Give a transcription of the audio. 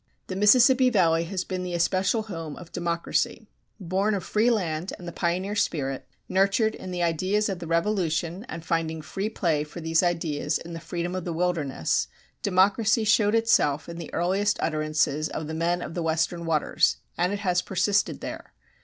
The Mississippi Valley has been the especial home of democracy. Born of free land and the pioneer spirit, nurtured in the ideas of the Revolution and finding free play for these ideas in the freedom of the wilderness, democracy showed itself in the earliest utterances of the men of the Western Waters and it has persisted there.